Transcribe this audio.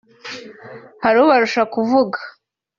hari ubarusha kuvuga